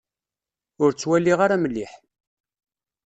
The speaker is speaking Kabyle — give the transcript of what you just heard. Ur ttwaliɣ ara mliḥ.